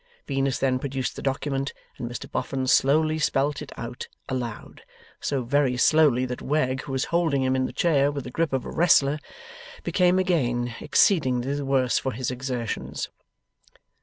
Venus then produced the document, and Mr Boffin slowly spelt it out aloud: so very slowly, that Wegg, who was holding him in the chair with the grip of a wrestler, became again exceedingly the worse for his exertions.